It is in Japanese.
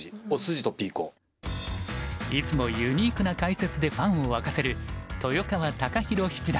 いつもユニークな解説でファンを沸かせる豊川孝弘七段。